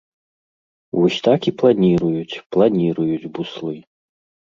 Вось так і планіруюць, планіруюць буслы.